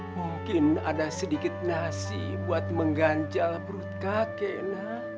mungkin ada sedikit nasi buat mengganjal perut kakek